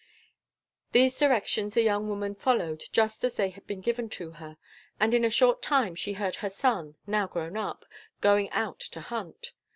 These directions the young woman followed just as they had been given to her, and in a short time she heard her son, now grown up, going out to hunt.